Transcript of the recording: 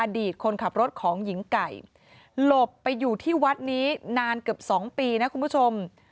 คนขับรถของหญิงไก่หลบไปอยู่ที่วัดนี้นานเกือบ๒ปีนะคุณผู้ชม